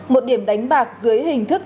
một điểm đánh bạc dưới hình thức